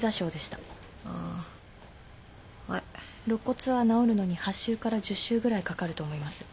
肋骨は治るのに８週から１０週ぐらいかかると思います。